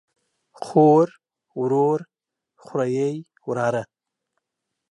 خور، ورور، خوریئ ،وراره